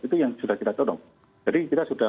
itu yang sudah kita dorong jadi kita sudah